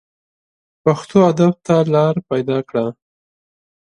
پښتو ادب ته لاره پیدا کړه